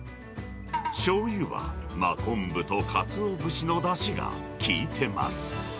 しょうゆは、真昆布とカツオ節のだしが効いてます。